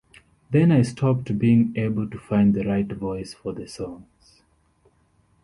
Then I stopped being able to find the right voice for the songs.